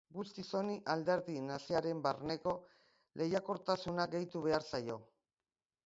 Guzti honi alderdi naziaren barneko lehiakortasuna gehitu behar zaio.